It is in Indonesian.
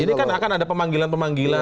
ini kan akan ada pemanggilan pemanggilan